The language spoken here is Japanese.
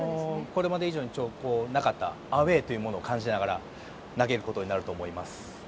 これまで以上になかったアウェーというものを感じながら投げることになると思います。